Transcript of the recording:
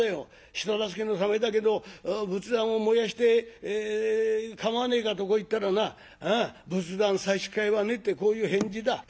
人助けのためだけど仏壇を燃やしてかまわねえかとこう言ったらな仏壇差し支えはねえってこういう返事だ」。